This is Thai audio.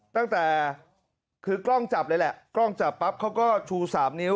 ตั้งแต่คือกล้องจับเลยแหละกล้องจับปั๊บเขาก็ชู๓นิ้ว